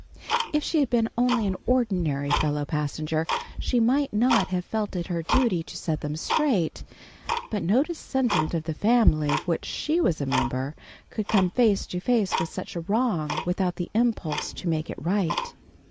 If she had been only an ordinary fellow passenger she might not have felt it her duty to set them straight. But no descendant of the family of which she was a member, could come face to face with such a wrong, without the impulse to make it right.